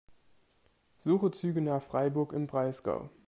Suche Züge nach Freiburg im Breisgau.